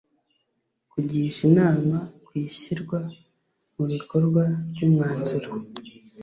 kugisha inama ku ishyirwa mu bikorwa ry umwanzuro